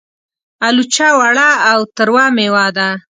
الوچه وړه او تروه مېوه ده.